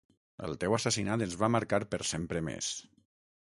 El teu assassinat ens va marcar per sempre més.